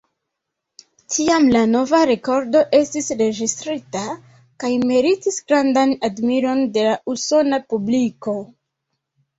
Tiam la nova rekordo estis registrita kaj meritis grandan admiron de la usona publiko.